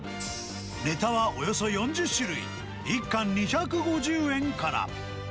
ネタはおよそ４０種類、１貫２５０円から。